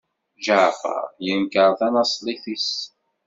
Ǧaɛfeṛ yenkeṛ tanaṣlit-is.